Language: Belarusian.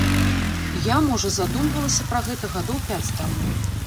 Я, можа, задумвалася пра гэта гадоў пяць таму.